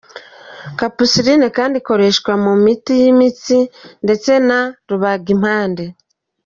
Capsaïcine kandi ikoreshwa mu miti y’imitsi ndetse na rubagimpande.